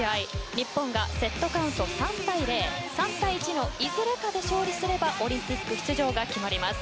日本がセットカウント３対０３対１のいずれかで勝利すればオリンピック出場が決まります。